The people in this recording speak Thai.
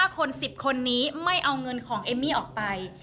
๕คน๑๐คนนี้ไม่เอาเงินของเอมมี่ออกไป